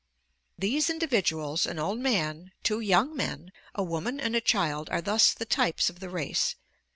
These individuals, an old man, two young men, a woman and a child, are thus the types of the race.